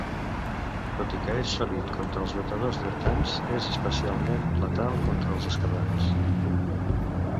Tot i que és sòlid contra els batedors dretans, és especialment letal contra els esquerrans.